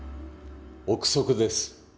臆測です。